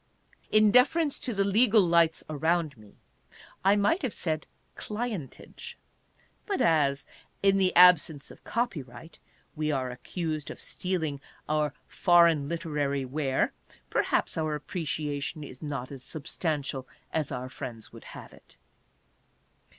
In deference to the legal lights around me, I might have said " clientage," but as, in the absence of copyright, we are accused of stealing our foreign literary ware, perhaps our appreciation is not as substantial as our friends would have it.